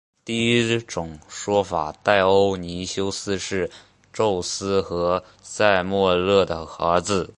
第一种说法戴欧尼修斯是宙斯和塞墨勒的儿子。